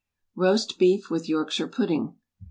ROAST BEEF WITH YORKSHIRE PUDDING.